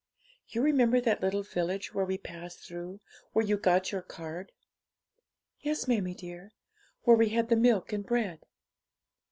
You remember that little village where we passed through, where you got your card?' 'Yes, mammie dear where we had the milk and bread.'